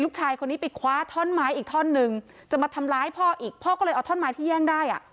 ชายคนนี้ไปคว้าท่อนไม้อีกท่อนหนึ่งจะมาทำร้ายพ่ออีกพ่อก็เลยเอาท่อนไม้ที่แย่งได้อ่ะ